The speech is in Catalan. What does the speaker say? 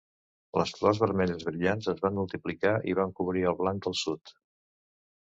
Les flors vermelles brillants es van multiplicar i van cobrir el banc del sud.